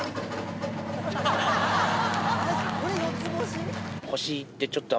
これ４つ星？